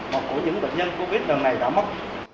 mà của những bệnh nhân covid lần này đã mất